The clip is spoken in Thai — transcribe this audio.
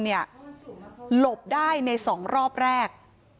หลบได้ใน๒รอบแรก